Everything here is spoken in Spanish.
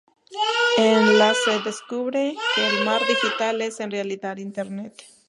En la se descubre que el Mar digital es en realidad Internet.